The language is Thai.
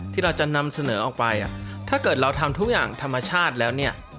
ที่เราจะนำเสนอออกไปถ้าเกิดเราทำทุกอย่างธรรมชาติแล้วเนี่ย